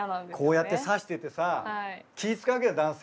こうやって差しててさ気ぃ遣うわけだよ男性は。